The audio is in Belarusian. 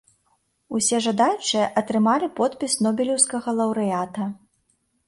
Усе жадаючыя атрымалі подпіс нобелеўскага лаўрэата.